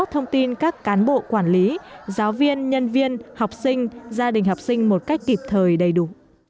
thông tin các cán bộ quản lý giáo viên nhân viên học sinh gia đình học sinh một cách kịp thời đầy đủ